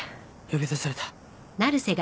呼び出された。